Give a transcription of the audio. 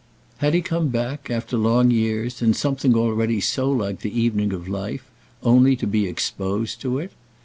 Had he come back after long years, in something already so like the evening of life, only to be exposed to it?